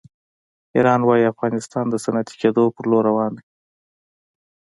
ایران وایي افغانستان د صنعتي کېدو په لور روان دی.